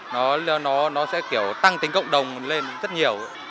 nó sẽ kiểu tăng tính cộng đồng lên rất nhiều